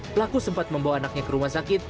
pelaku sempat membawa anaknya ke rumah sakit